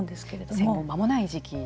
戦後間もない時期ですね。